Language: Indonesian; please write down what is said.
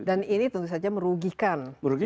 dan ini tentu saja merugikan negara